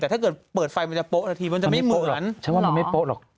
แต่ถ้าเกิดเปิดไฟมันจะโป๊ะนาทีมันจะไม่เปิดฉันว่ามันไม่โป๊ะหรอก